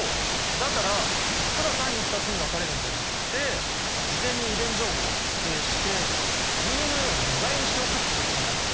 だからただ単に２つに分かれるんじゃなくて事前に遺伝情報を複製してＤＮＡを２倍にしておくってことじゃないかな？